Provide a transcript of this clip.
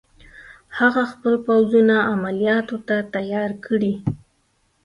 هغه خپل پوځونه عملیاتو ته تیار کړي.